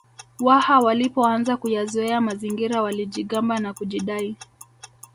Waha walipoanza kuyazoea mazingira walijigamba na kujidai